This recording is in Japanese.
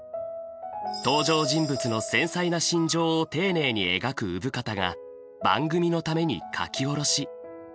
登場人物の繊細な心情を丁寧に描く生方が番組のために書き下ろし。